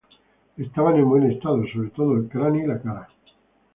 Estaban en buen estado, sobre todo el cráneo y la cara.